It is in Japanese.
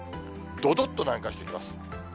どどっと南下してきます。